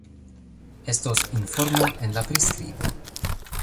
Estos informo en la priskribo